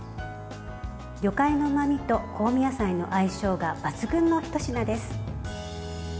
魚介のうまみと香味野菜の相性が抜群のひと品です。